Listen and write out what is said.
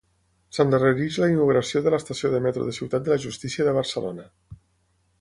S'endarrereix la inauguració de l'estació de metro de Ciutat de la Justícia de Barcelona.